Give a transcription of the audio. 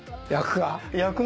焼くか？